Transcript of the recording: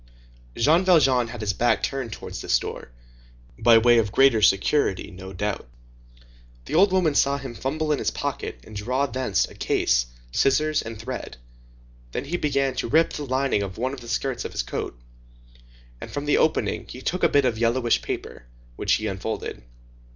Jean Valjean had his back turned towards this door, by way of greater security, no doubt. The old woman saw him fumble in his pocket and draw thence a case, scissors, and thread; then he began to rip the lining of one of the skirts of his coat, and from the opening he took a bit of yellowish paper, which he unfolded.